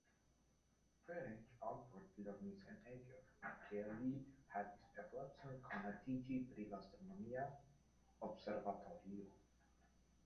Ferenc Albert lernis en Eger, kie li havis eblecon konatiĝi pri la astronomia observatorio.